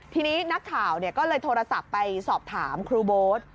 ทีนี้นักข่าวก็เลยโทรศัพท์ไปสอบถามครูโบ๊ท